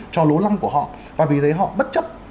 trò lố lăng của họ và vì thế họ bất chấp